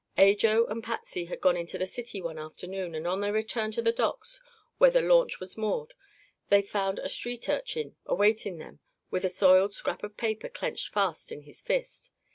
Ajo and Patsy had gone into the city one afternoon and on their return to the docks, where their launch was moored, they found a street urchin awaiting them with a soiled scrap of paper clenched fast in his fist.